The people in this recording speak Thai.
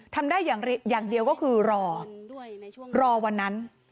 ทำได้อย่างเดียวก็คือรอรอวันนั้น